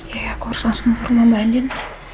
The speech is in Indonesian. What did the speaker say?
ya aku harus langsung ke rumah mbak andien